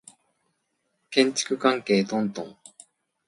建築関係トントン